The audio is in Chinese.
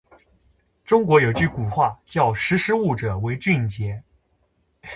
中国有句古话，叫“识时务者为俊杰”。